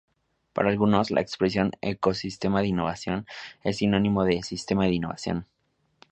Para algunos, la expresión "ecosistema de innovación" es sinónimo de "sistema de innovación'.